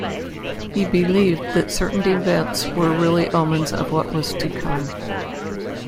He believed that certain events were really omens of what was to come.